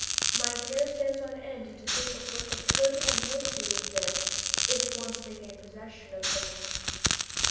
My hair stands on end when I think what they could and would do with them if once they gained possession of them.